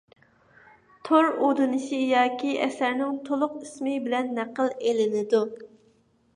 تور ئۇلىنىشى ياكى ئەسەرنىڭ تولۇق ئىسمى بىلەن نەقىل ئېلىنىدۇ.